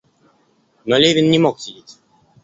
Но Левин не мог сидеть.